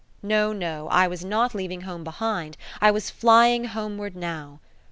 No, no; I was not leaving home behind, I was flying homeward now.